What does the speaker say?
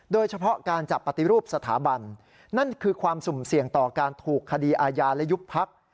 โดยเฉพาะการจับปฏิรูปสถาบันนั่นคือความสุ่มเสี่ยงต่อการถูกคดีอาญาและยุบพัก